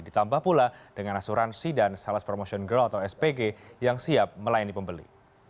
ditambah pula dengan asuransi dan salas promotion girld atau spg yang siap melayani pembeli